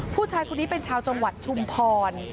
ผู้ชายคนนี้เป็นชาวจังหวัดชุมพร